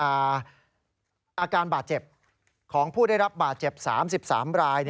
๓๐รายภศพามฮะรายเจ็บของผู้ได้รับบาดเจ็บ๓๓ราย